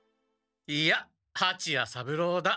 いやはちや三郎だ。